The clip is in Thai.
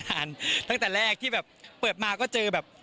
ตั้งแต่แรกที่แบบเปิดมาก็เจอแบบ